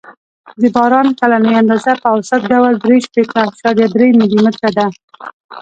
د باران کلنۍ اندازه په اوسط ډول درې شپېته اعشاریه درې ملي متره ده